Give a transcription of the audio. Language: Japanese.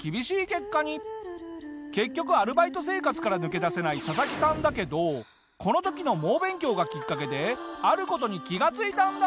結局アルバイト生活から抜け出せないササキさんだけどこの時の猛勉強がきっかけである事に気がついたんだ！